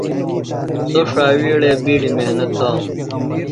سوۡ ݜاوِیڑے بِیڈیۡ محنت تھانوۡ۔